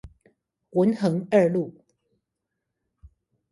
文橫二路